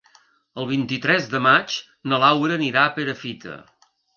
El vint-i-tres de maig na Laura anirà a Perafita.